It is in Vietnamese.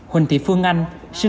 huỳnh thị phương anh